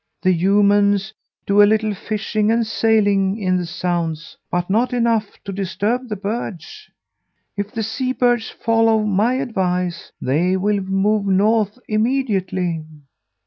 The humans do a little fishing and sailing in the sounds, but not enough to disturb the birds. If the sea birds follow my advice, they will move north immediately.'